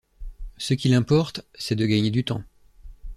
Ce qu’il importe, c’est de gagner du temps.